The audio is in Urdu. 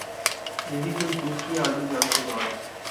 یہی کچھ دوسری عالمی جنگ کے بعد